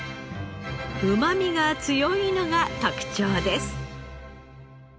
うまみが強いのが特長です。